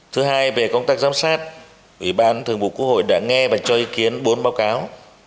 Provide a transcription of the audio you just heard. thứ hai về công tác giám sát ủy ban thường vụ quốc hội đã nghe và cho ý kiến bốn báo cáo